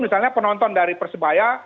meskipun penonton dari persebaya